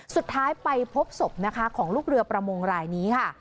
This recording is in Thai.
สุดท้ายไปพบศพนะคะของลูกเรือประมงรายนี้ค่ะ